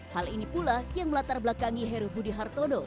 hal ini pula yang melatar belakangi heru budi hartono